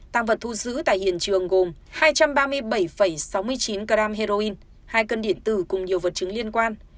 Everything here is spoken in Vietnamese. tăng vật thu giữ tại hiện trường gồm hai trăm ba mươi bảy sáu mươi chín g heroin hai cân điện tử cùng nhiều vật chứng liên quan